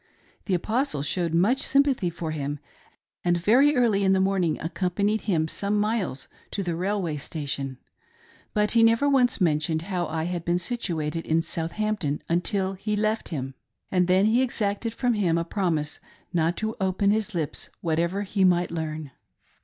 The Apostle showed much sympathy for him, and very early in the morning accompanied him some miles to the railway station ; but he never once mentioned how I had been situated in Southampton until he left him, and then he exacted from him a promise not to open his lips whatever he might learn.